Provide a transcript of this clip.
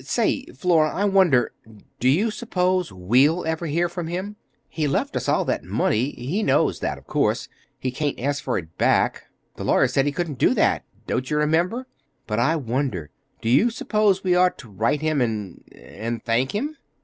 "Say, Flora, I wonder—do you suppose we'll ever hear from him? He left us all that money—he knows that, of course. He can't ask for it back—the lawyer said he couldn't do that! Don't you remember? But, I wonder—do you suppose we ought to write him and—and thank him?"